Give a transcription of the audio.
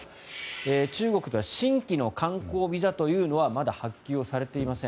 中国では新規の観光ビザというのはまだ発給されていません。